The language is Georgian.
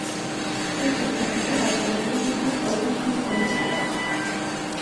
ჩვენში ეს სახეობა გავრცელებულია თითქმის ყველგან მთის ზემო სარტყლამდე.